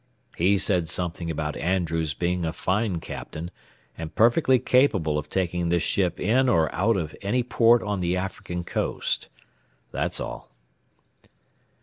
He said something about Andrews being a fine captain and perfectly capable of taking this ship in or out any port on the African coast. That's all."